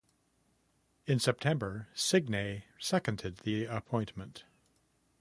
In September, Signay seconded the appointment.